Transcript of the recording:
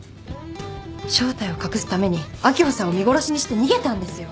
正体を隠すために秋穂さんを見殺しにして逃げたんですよ。